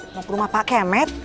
mau ke rumah pak kemet